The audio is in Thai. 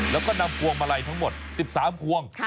แล้วก็นำพวงมาลัยทั้งหมด๑๓พวง